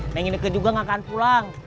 neng ineke juga gak akan pulang